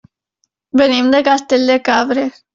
Venim de Castell de Cabres.